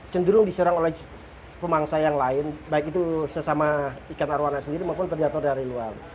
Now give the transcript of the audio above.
cenderung diserang oleh pemangsa yang lain baik itu sesama ikan arowana sendiri maupun predator dari luar